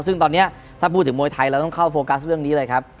ซึ่งตอนนี้ถ้าพูดถึงมวยไทย